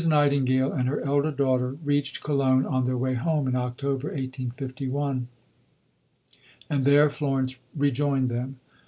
Nightingale and her elder daughter reached Cologne on their way home in October 1851, and there Florence rejoined them.